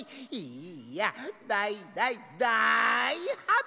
いやだいだいだいはつめ。